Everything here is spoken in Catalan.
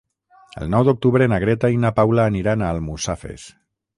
El nou d'octubre na Greta i na Paula aniran a Almussafes.